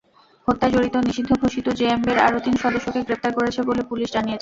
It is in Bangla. হত্যায় জড়িত নিষিদ্ধঘোষিত জেএমবির আরও তিন সদস্যকে গ্রেপ্তার করেছে বলে পুলিশ জানিয়েছে।